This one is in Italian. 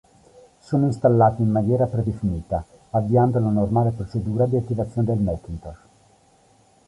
Sono installate in maniera predefinita, avviando la normale procedura di attivazione del Macintosh.